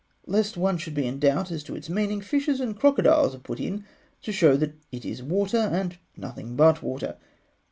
Lest one should be in doubt as to its meaning, fishes and crocodiles are put in, to show that it is water, and nothing but water.